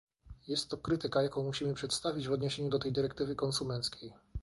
Jest to krytyka, jaką musimy przedstawić w odniesieniu do tej dyrektywy konsumenckiej